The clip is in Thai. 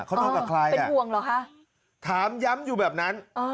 เขานอนกับใครน่ะถามย้ำอยู่แบบนั้นอ๋อ